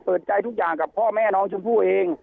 เปิดใจทุกอย่างกับพ่อแม่น้องชมพู่เอง